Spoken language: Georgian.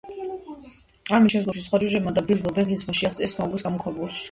ამით შემდგომში სხვა ჯუჯებმა და ბილბო ბეგინსმა შეაღწიეს სმაუგის გამოქვაბულში.